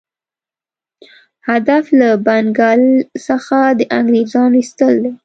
هدف له بنګال څخه د انګرېزانو ایستل دي.